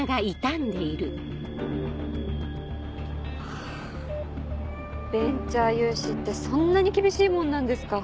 はぁベンチャー融資ってそんなに厳しいもんなんですか。